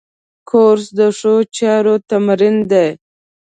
کورس د ښو چارو تمرین دی.